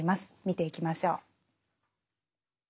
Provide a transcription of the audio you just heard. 見ていきましょう。